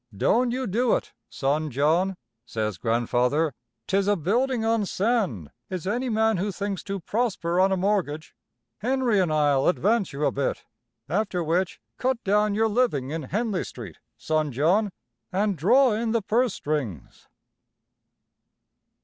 "Doan' you do it, son John," says Grandfather; "'tis a building on sand is any man who thinks to prosper on a mortgage. Henry and I'll advance you a bit. After which, cut down your living in Henley Street, son John, an' draw in the purse strings."